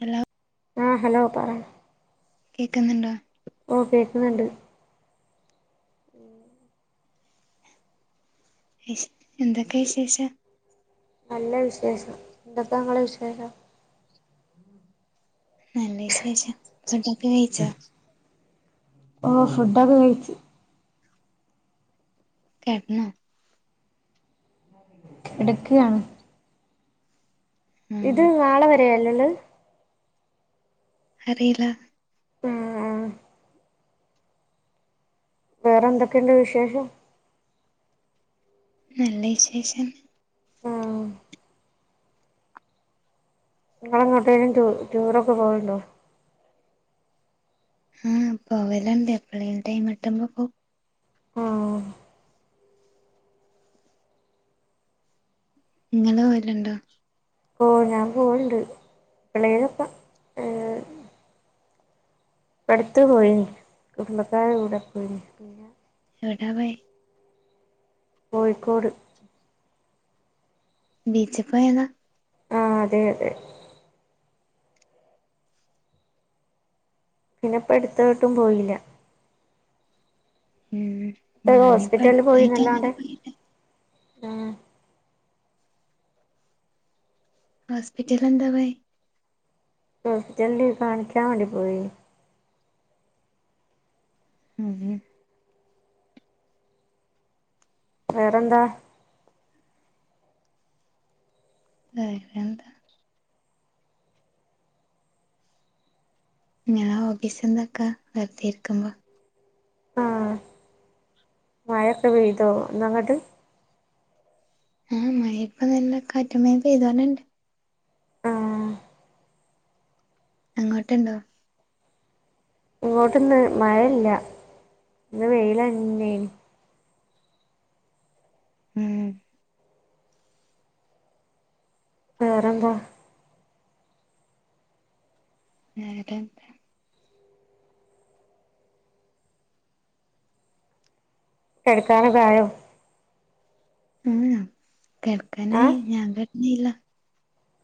Hello ആ hello പറ കേക്കുന്നുണ്ടോ ഓ കേക്ക്ന്ന്ണ്ട് എന്തൊക്കെ വിശേഷം നല്ല വിശേഷം. എന്തൊക്കെ ഇങ്ങളെ വിശേഷം നല്ല വിശേഷം ഫുഡ്ഡൊക്കെ കയിച്ചോ ഓഹ് ഫുഡ്ഡൊക്കെ കയിച്ചു കെട്ന്നൊ കെടക്കാണ്. ഇത് ഉം നാളെ വരെയല്ലേ ഇള്ളെ അറീല ആഹ് ആഹ് വേറെന്തൊക്കെ ഇണ്ട് വിശേഷം നല്ല വിശേഷം ആഹ് ഇങ്ങള് എങ്ങോട്ടേലും ടൂ ടൂറൊക്കെ പോവല്ണ്ടോ ഉം പോവല്ണ്ട്. എപ്പളേലും ടൈം കിട്ടുമ്പോ പോവും. ആഹ് ഇങ്ങള് പോര്ണ്ടോ. ഓ ഞാൻ പോവല്ണ്ട്. എപ്പളേ ലൊക്കെ ഇപ്പടുത്തു പോയിനി. കുടുംബക്കാരെ കൂടെ പോയിനി എട്ടാപോയെ കോഴിക്കോട് ബീച്ചപ്പോയെന്ന ആഹ് അതെ അതെ പിന്നെ ഇപ്പ അടുത്തോട്ടും പോയില്ല ഉം ഇപ്പ ഞാനിപ്പോ ഹോസ്പിറ്റലിൽ അട്ത്തായിട്ട് അങ്ങനെ പോയിന്നല്ലാണ്ട് പോയി. ആഹ് ഹോസ്പിറ്റലന്താ പോയെ ഹോസ്പിറ്റൽ കാണിക്കാ വാണ്ടി പോയി. ഉം ഉം വേറെന്താ [inaudible] എന്താ ഞാൻ ഓഫീസ്ന്നൊക്കെ വെർതെരിക്കുമ്പോ ആഹ് മഴൊക്കെ പെയ്തോ ഇന്നങ്ങട്ട്. ആഹ് മഴ ഇപ്പ നല്ലെ കാറ്റും മഴിം പെയ്തോണ്ട് ഇണ്ട് ആഹ് അങ്ങോട്ട് ഇണ്ടോ ഇങ്ങോട്ട് ഇന്ന് മഴയില്ല. ഇന്ന് വെയിലന്നേനി ഉം വേറെന്താ വേറെന്താ കെടക്കാനോക്കെ ആയോ ഉം ഉം കെടക്കാനായി ഞാൻ കെട്ന്നീല്ല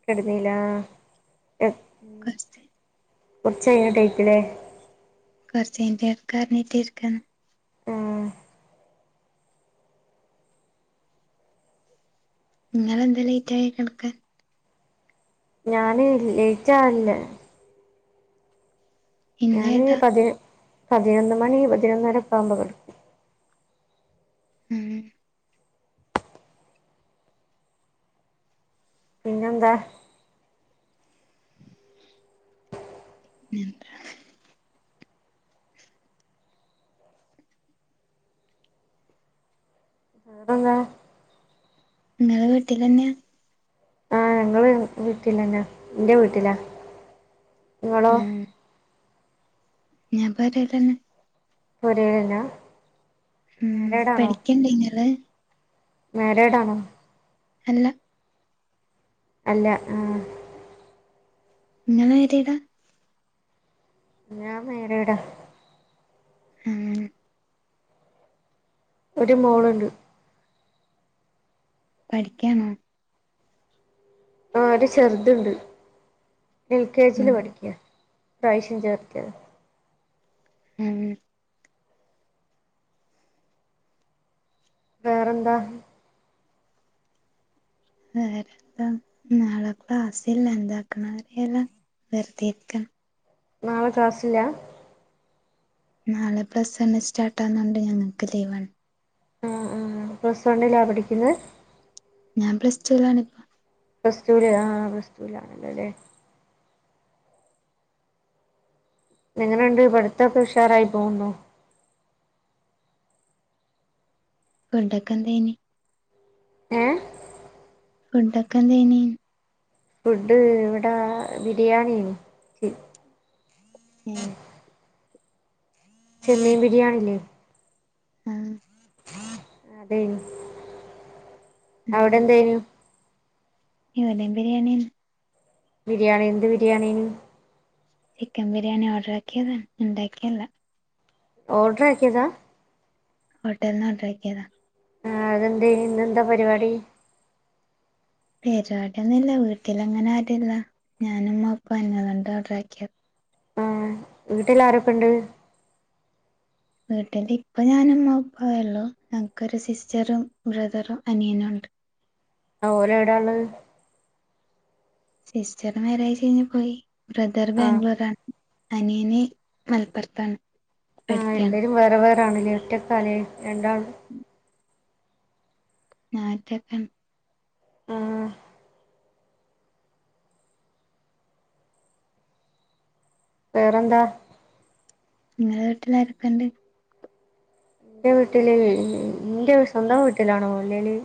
കെട്ന്നീലാ കൊറ്ച്ച് കൊറ്ച്ചയ്ഞ്ഞ്ട്ടേക്കു ലെ കൊറ്ച്ച് [inaudible] ഏഹ് ഇങ്ങളെന്താ ലേറ്റായി കെട്ക്കാൻ ഞാന് ലേറ്റ് ആഹ്ന്ല്ല ഞാന് ഇന്നേതാ പതി പതിനൊന്ന് മണി പതിനൊന്നര ഒക്കെ ആകുമ്പോ കെട ഉം പിന്നെന്താ എന്താ വേറെന്താ ഇങ്ങള് വീട്ടിലെന്നെ ഓഹ് വീട്ടിലെന്നെ ന്റെ വീട്ടിലാ ഇങ്ങളോ ഊം ഞാൻ പൊരേലന്നെ പോരേലന്നാ ഉം മാരീഡാണോ പഠിക്ക്ണ്ടോ ഇങ്ങള് മാരേഡാണോ അല്ല അല്ല ആഹ് ഇങ്ങള് മേരീഡാ ഞാൻ മാരീഡാ ആഹ് ഒരു മോളുണ്ട് പഠിക്കാണോ ആ ഒരു ചെറുതുണ്ട് എൽ കെ ജില് ഉം പഠിക്ക ഇപ്രാവശ്യം ചേർത്ത്യത ഉം വേറെന്താ വേറെന്ത നാളെ ക്ലാസ്സില്ല എന്താക്കണന്നറിയില്ല വെറുതെരിക്ക നാളെ ക്ലാസ്സില്ല നാളെ പ്ലസ് വൺ സ്റ്റാർട്ട് ആവുന്നോണ്ട് ഞങ്ങൾക്ക് ലീവണ് ആഹ് ആഹ് പ്ലസ് വണ്ണിലാ പഠിക്കുന്നത് ഞാൻ പ്ലസ് ടൂ ലാണ് ഇപ്പം പ്ലസ് ടു ല് ആഹ് പ്ലസ് ടു ലാണല്ലോലെ എങ്ങനെണ്ട് പഠിത്തോക്കെ ഉഷാറായി പോവുന്നോ? ഫുഡൊക്കെ എന്തയിനിം ഏഹ് ഫുഡൊക്കെ എന്തെയ്നിം ഫുഡ് ഇവിടെ ബിരിയാണി അയ്നിം ഏഹ് ചെമ്മീൻ ബിരിയാണി ല്ലേ ആഹ് അതെയ്നിം അവിടെ എന്തേനു ഇവടിം ബിരിയാണി അയ്നു ബിരിയാണി എന്ത് ബിരിയാണി അയ്നു ചിക്കൻ ബിരിയാണി ഓർഡർ ആക്കിയതാണ് ഉണ്ടാക്കിയല്ല ഓർഡർ ആക്കിയതാ ഹോട്ടൽന്ന് ഓർഡർ ആക്കിയതാ ആഹ് അതെന്തയ്നിം ഇന്നെന്താ പരിപാടി പരിപാടൊന്നില്ല വീട്ടിലങ്ങനെ ആരുല്ല ഞാനുമ്മപ്പ ന്നെള്ളൂ അതോണ്ട ഓർഡർ ആക്കിയ വീട്ടില് ആരൊക്കെണ്ട് വീട്ടില ഇപ്പ ഞാനും ഉമ്മപ്പയൊള്ളൂ ഞങ്ങൾക്കൊരു സിസ്റ്ററും ബ്രദറും അനിയനും ഉണ്ട് ആ ഓര് എവിടാണ് സിസ്റ്ററ് മാരേജ് കഴിഞ് പോയി ബ്രദറ് ആഹ് ബാംഗ്ലൂർ ആണ് അനിയന് മലപ്പുറത്താണ് ആ പഠിക്കാണ് എല്ലരും വേറെ വേറാണ് ഒറ്റക്കാല്ലേ രണ്ടാളും ആഹ് ഒറ്റക്കാണ് ഉം വേറെന്താ നിങ്ങള വീട്ടിലരെക്കെണ്ട് എന്റെ വീട്ടില് എന്റെ സ്വന്തം വീട്ടിലാണോ അല്ലേലി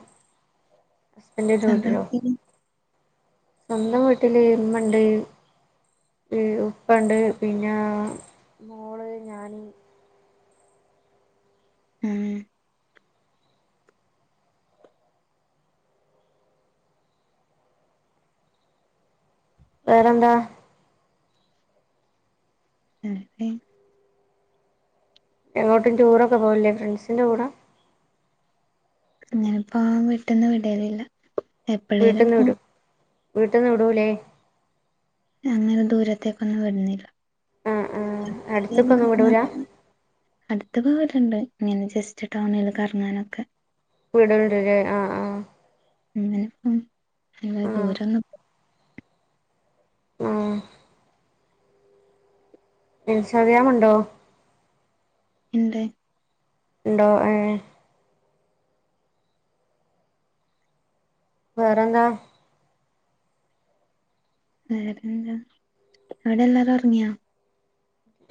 ഹസ്ബന്റിന്റെ സ്വന്തം വീട്ടിലോ വീട്ടില് സ്വന്തം വീട്ടില് ഇമ്മണ്ട് ഉപ്പണ്ട് പിന്നെ മോള് ഞാന് ഉം വേറെന്താ [unintelligible] എങ്ങോട്ടും ടൂറൊക്കെ പോകലില്ലേ ഫ്രണ്ട്സിൻന്റെകൂടെ അങ്ങനപ്പോവാൻ വീട്ടന്ന് വിടേലില്ല വീട്ട്ന്ന് വിടും വീട്ട്ന്ന് വിടൂല്ലേ അങ്ങനെ ദൂരത്തേക്കൊന്നും വിടുന്നില്ല ആഹ് ആഹ് അടുത്ത്ക്കൊന്നും വിടൂല [unintelligible] അടുത്ത് പോവലിണ്ട് ഇങ്ങനെ ജസ്റ്റ് ടൗണില് കറങ്ങാനൊക്കെ വീടണ്ടല്ലേ ആഹ് ആഹ് അങ്ങനെപ്പം [unintelligible] ആഹ് ദൂരൊന്നും ഓഹ് ഇൻസ്റ്റാഗ്രാമൊണ്ടോ ഇണ്ട് ഇണ്ടോ ആഹ് വേറെന്താ വേരെന്താ അവിടെ എല്ലാരും ഒറങ്ങിയോ?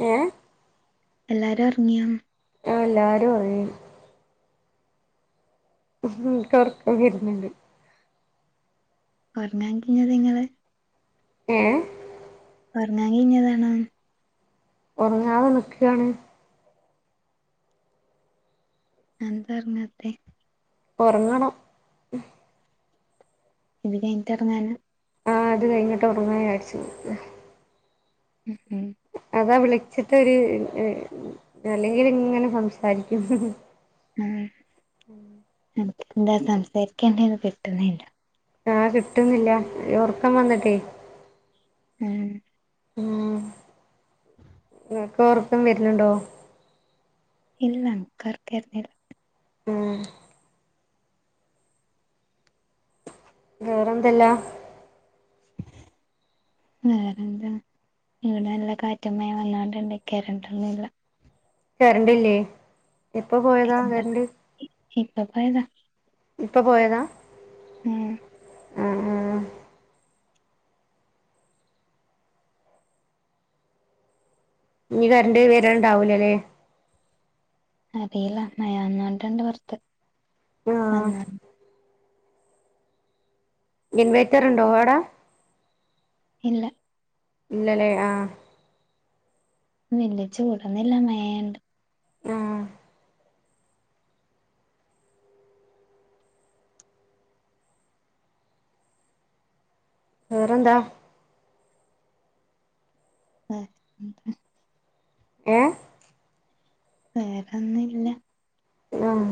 ഏഹ് എല്ലാരും ഒറങ്ങിയോന്ന്? ആഹ് എല്ലാരും ഉറങ്ങി ഉഹും എന്ക്ക് ഒറക്കം വരുന്നുണ്ട് ഒറങ്ങാൻ കീഞ്ഞത് നിങ്ങള് ഏഹ് ഒറങ്ങാൻ കീഞ്ഞതണോന്ന്? ഒറങ്ങാതെ നിക്കാണ്. എന്താറങ്ങാത്തെ ഒറങ്ങണം ഇത് കഴിഞ്ഞട്ടെറങ്ങാനാ ആഹ് അത് കഴിഞ്ഞിട്ട് ഒറങ്ങാ വിചാരിച്ചു ഉം ഉം അതാ വിളിച്ചിട്ട് ഒരു അല്ലെങ്കിൽ ഇങ്ങനെ സംസാരിക്കും. അതെ നമുക്ക് എന്താ സംസാരിക്കെണ്ടേന്ന് കിട്ടുന്നില്ല ആഹ് കിട്ടുന്നില്ല ഈ ഒറക്കം വന്നിട്ടേ ആഹ് ഉം നിനക്ക് ഒറക്കം വരുന്നുണ്ടോ? ഇല്ല ന്ക്ക് ഒറക്കം വരുന്നില്ല ഉം വേറെ എന്തല്ല [inaudible] വേറെന്താ ഇവിടെ നല്ല കാറ്റും മഴയും വന്നാണ്ട് ഒണ്ട് കറണ്ടോന്നുല്ല കറണ്ടില്ലേ ഇപ്പോ പോയതാ കരണ്ട് ഇപ്പോ പോയതാ ഇപ്പൊ പോയതാ ഉം ആഹ് ആഹ് ഇനി കറണ്ട് വരണ്ടാവൂല ല്ലേ..? അറിയില്ല മയ നന്നായിട്ടൊണ്ട് പൊറത്ത് ആഹ് വന്നാ - ഇൻവൈറ്ററുണ്ടോ ഓടെ- ഇല്ല- ഇല്ല ലെ ആഹ്- മെല്യ ച്ചൂടോന്നില്ല മേണ്ട് ആഹ്- വേറെന്താ? [inaudible] ഏഹ്- വേറെന്നുല്ല- ഉം-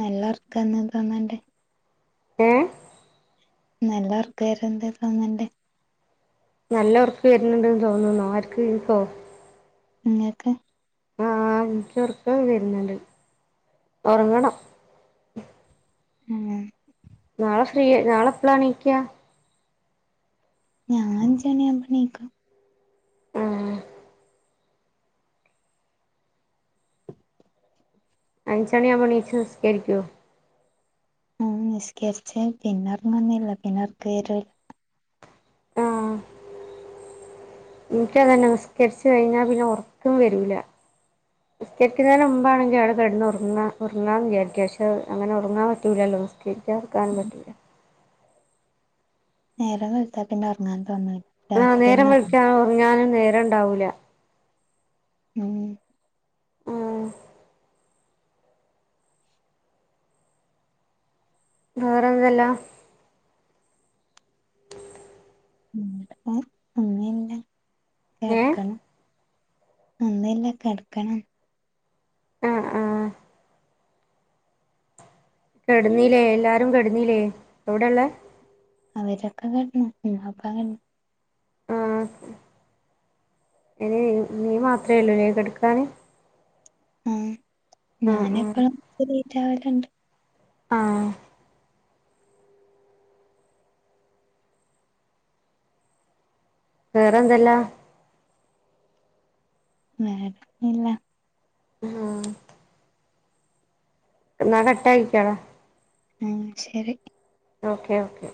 നല്ല ഒറക്കാന്നു തോന്നണ്ട്- ഏഹ് - നല്ല ഒറക്ക വര്ണ്ട് തോന്ന്ണ്ട്- നല്ല ഉറക്കം വരുന്നുണ്ട്ന്ന് തോന്ന്ണ് ആർക്ക് എനിക്കോ? നിങ്ങക്ക്- ആഹ് എനിക്ക് ഉറക്കം വരുന്നുണ്ട് ഒറങ്ങണം- തന്നെ- നാളെ ഫ്രീ നാളെപ്പളാണീക്ക- ഞാൻ അഞ്ച് മണീയാകുമ്പോ ണീക്കും- മ്ഹ്- അഞ്ചണി ആവുമ്പോ എനീച്ച് നിസ്കരിക്കോ? ആഹ് നിസ്കരിച്ച് പിന്നെ ഒറങ്ങൊന്നില്ല പിന്നെറ്ക്ക് വരുല്ല- ഇന്ക്കതന്നെ നിസ്കരിച്ച് കഴിഞ്ഞാൽ പിന്നെ ഉറക്കം വരൂല- നിസ്കരിക്കുന്നതിന് മുമ്പാണെങ്കിൽ അവിടെ കിടന്ന് ഉറങ്ങാ ഉറങ്ങാന്ന് വിചാരിക്കും പക്ഷെ അങ്ങനെ ഉറങ്ങാൻ പറ്റില്ലല്ലോ- നിസ്കരിക്കാതിരിക്കാനും പറ്റൂല- നേരം വെളുത്താൽ പിന്നെ ഒറങ്ങാൻ തോന്നുന്നി ആഹ് നേര വെളുക്കാ റങ്ങാനും നേരം ഉണ്ടാവൂല- മ്ഹ്- ആഹ് - വേറെ എന്തെല്ലാം- [unintelligible] ഏ കെടക്കണം- ഒന്നുല്ല കെടക്കണം- ആഹ് ആഹ് - കെടന്നില്ലേ എല്ലാരും കെടുന്നില്ലേ അവിടെളേള- അവരൊക്കെ കെടന്ന് ഞാൻ ഇപ്പാ കട ആഹ്- ഇനി നീ മാത്രമുള്ളുല്ലേ കട്ക്കാന്- ആഹ് ആ ഞാന് ആ എപ്പോളും ലേറ്റ് ആവലണ്ട്- ആഹ് - വേറെ എന്തല്ലാം- വേറൊന്നില്ല- ആഹ് എന്നാ കട്ടാക്കിയാളാ- ഉം ശരി- ഓക്കെ ഓക്കെ-